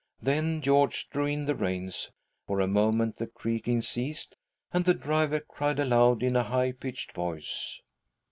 Then George drew in the reins, for a moment the creaking ceased, and the driver cried aloud in a high pitched voice.